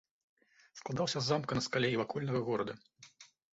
Складаўся з замка на скале і вакольнага горада.